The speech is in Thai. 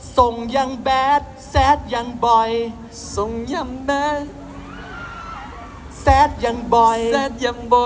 ส่งยังแบดแซดอย่างบ่อย